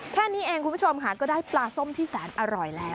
แค่นี้เองคุณผู้ชมค่ะก็ได้ปลาส้มที่แสนอร่อยแล้ว